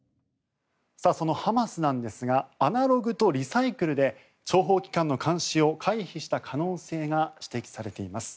そのハマスなんですがアナログとリサイクルで諜報機関の監視を回避した可能性が指摘されています。